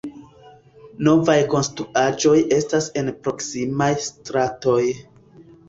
Novaj konstruaĵoj estas en proksimaj stratoj.